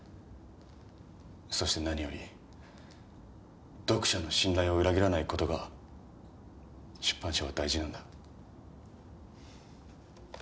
そして何より読者の信頼を裏切らない事が出版社は大事なんだ。